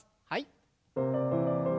はい。